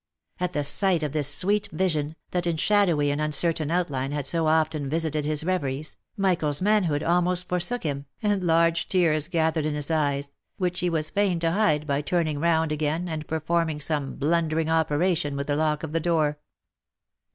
At the sight of this sweet vision, that in shadowy and uncertain outline had so often visited his reveries, Michael's manhood almost forsook him, and large tears gathered in his eyes, which he was fain to hide by turning round again and performing some blundering OF MICHAEL ARMSTRONG. 375 operation with the lock of the door.